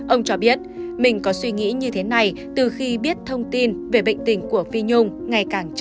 ông cho biết mình có suy nghĩ như thế này từ khi biết thông tin về bệnh tình của phi nhung